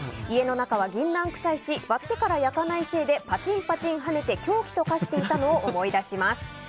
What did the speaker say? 家の中は銀杏臭いし割ってから焼かないせいでパチンパチン跳ねて凶器と化していたのを思い出します。